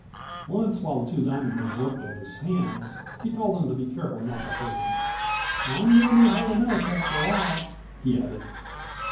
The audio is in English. Once, while the Two Diamond men worked at his hands, he told them to be careful not to hurt him. "I'm goin' to be hurt enough, after a while," he added.